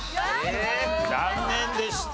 残念でした。